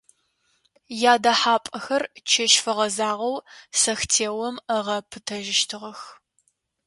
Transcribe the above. Ядэхьапӏэхэр чэщ фэгъэзагъэу сэхтеом ыгъэпытэжьыщтыгъэх.